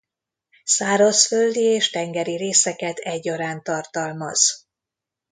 Szárazföldi és tengeri részeket egyaránt tartalmaz.